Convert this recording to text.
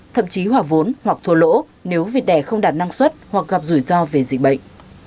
thậm chí hỏa vốn hoặc thua lỗ nếu vịt đẻ không đạt năng suất hoặc gặp rủi ro về dịch bệnh